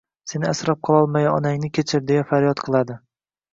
Seni asrab qololmagan onangni kechir, deya faryod qiladi